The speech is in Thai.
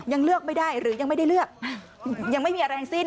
ยังเลือกไม่ได้หรือยังไม่ได้เลือกยังไม่มีอะไรทั้งสิ้น